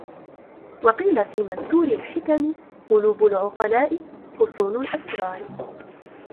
وَقِيلَ فِي مَنْثُورِ الْحِكَمِ قُلُوبُ الْعُقَلَاءِ حُصُونُ الْأَسْرَارِ